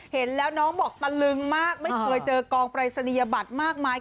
เห็นแล้วน้องบอกตะลึงมากไม่เคยเจอกองปรายศนียบัตรมากมาย